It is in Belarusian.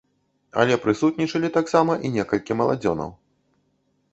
Але прысутнічалі таксама і некалькі маладзёнаў.